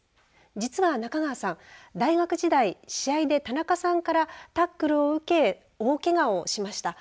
実は中川さん、大学時代試合で田中さんからタックルを受け大けがをしました。